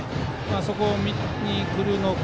そこを見にくるのか。